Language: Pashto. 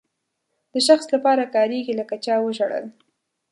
د شخص لپاره کاریږي لکه چا وژړل.